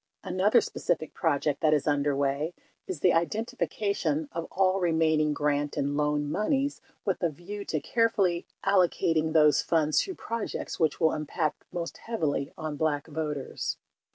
Another specific project that is underway is the identification of all remaining grant and loan moneys with a view to carefully allocating those funds to projects which will impact most heavily on black voters.